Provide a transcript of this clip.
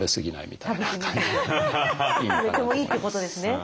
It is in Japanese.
でもいいってことですね。